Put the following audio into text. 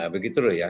begitu loh ya